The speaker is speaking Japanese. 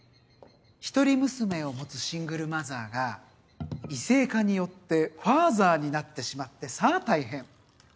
一人娘を持つシングルマザーが異性化によってファーザーになってしまってさあ大変。